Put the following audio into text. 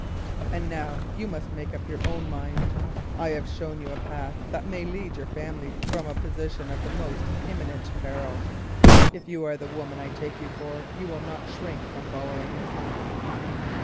And now you must make up your own mind. I have shown you a path that may lead your family from a position of the most imminent peril. If you are the woman I take you for, you will not shrink from following it."